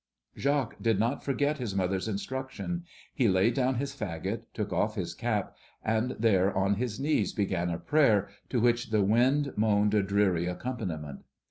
Jacques did not forget his mother's instruction. He laid down his fagot, took off his cap, and there, on his knees, began a prayer, to which the wind moaned a dreary accompaniment.